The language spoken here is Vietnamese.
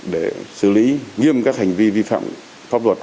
để xử lý nghiêm các hành vi vi phạm pháp luật